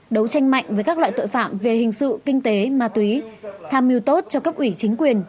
đấu tranh mạnh với các loại tội phạm về hình sự kinh tế ma túy tham mưu tốt cho cấp ủy chính quyền